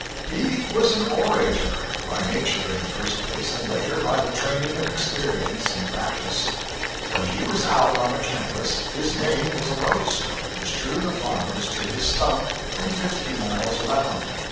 He was an orator by nature in the first place, and later by the training of experience and practice. When he was out on a canvass, his name was a lodestone which drew the farmers to his stump from fifty miles around.